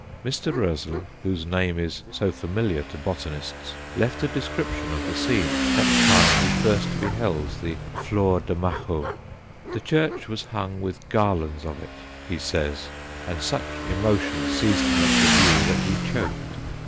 Mr. Roezl, whose name is so familiar to botanists, left a description of the scene that time he first beheld the Flor de Majo. The church was hung with garlands of it, he says, and such emotions seized him at the view that he choked.